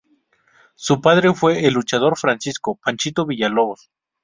Su padre fue el luchador Francisco "Panchito" Villalobos.